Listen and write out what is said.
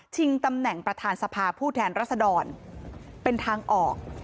ตำแหน่งประธานสภาผู้แทนรัศดรเป็นทางออก